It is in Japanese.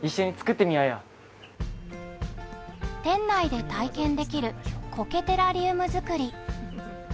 店内で体験できるこけテラリウム作り。